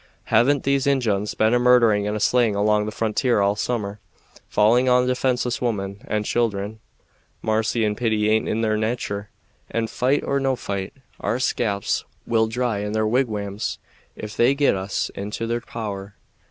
Haven't these Injuns been a murdering and a slaying along the frontier all the summer, falling on defenseless women and children? Marcy and pity aint in their natur, and, fight or no fight, our scalps will dry in their wigwams if they get us into their power.